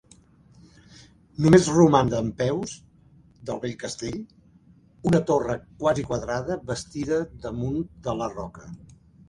Només roman dempeus, del vell castell, una torre quasi quadrada, bastida damunt de la roca.